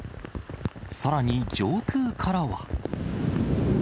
さらに、上空からは。